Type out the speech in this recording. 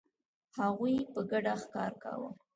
هغوی په ګډه ښکار کاوه.